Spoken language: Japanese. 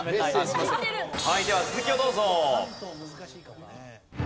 はいでは続きをどうぞ。